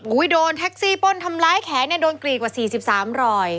โอ๊ยโดนแท็กซี่ปล้นทำร้ายแขนโดนกรีดกว่า๔๓รอย